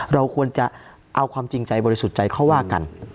เราควรจะเอาความจริงใจบริสุทธิ์ใจเขาว่ากัน